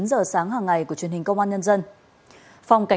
xin chào và hẹn gặp lại